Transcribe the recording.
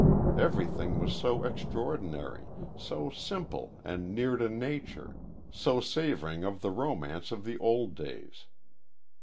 Everything was so extraordinary, so simple and near to nature, so savoring of the romance of the old days.